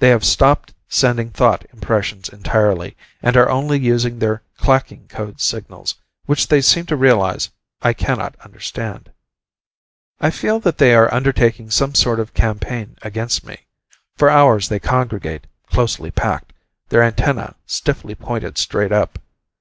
They have stopped sending thought impressions entirely, and are using only their "clacking" code signals, which they seem to realize I cannot understand. I feel that they are undertaking some sort of campaign against me. For hours they congregate, closely packed, their antennae stiffly pointed straight up.